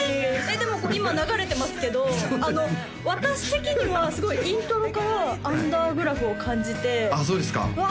でもこれ今流れてますけど私的にはすごいイントロからアンダーグラフを感じてうわ